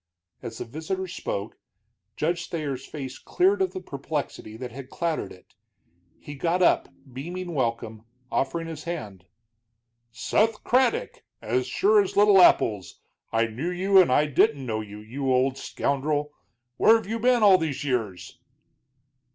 As the visitor spoke, Judge Thayer's face cleared of the perplexity that had clouded it. He got up, beaming welcome, offering his hand. "Seth Craddock, as sure as little apples! I knew you, and I didn't know you, you old scoundrel! Where have you been all these years?"